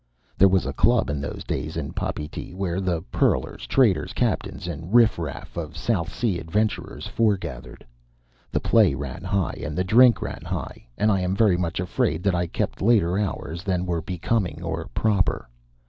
There was a club in those days in Papeete, where the pearlers, traders, captains, and riffraff of South Sea adventurers forgathered. The play ran high, and the drink ran high; and I am very much afraid that I kept later hours than were becoming or proper.